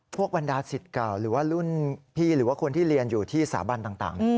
บรรดาศิษย์เก่าหรือว่ารุ่นพี่หรือว่าคนที่เรียนอยู่ที่สาบันต่าง